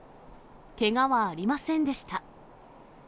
けがはありませんでした。